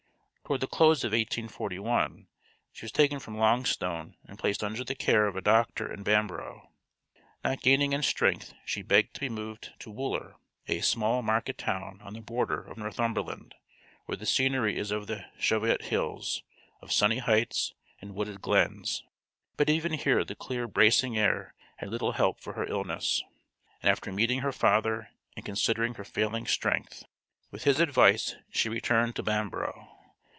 Toward the close of 1841 she was taken from Longstone and placed under the care of a doctor in Bamborough. Not gaining in strength she begged to be moved to Wooler, a small market town on the border of Northumberland, where the scenery is of the Cheviot Hills of sunny heights and wooded glens. But even here the clear bracing air had little help for her illness, and after meeting her father and considering her failing strength, with his advice she returned to Bamborough.